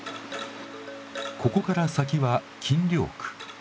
ここから先は禁漁区。